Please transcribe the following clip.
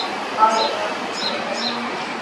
ایا ستاسو اوبه به ګرمې وي؟